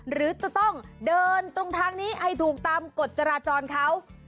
หรือจะต้องเดินตรงทางนี้ให้ถูกตามกฎจราจรเขา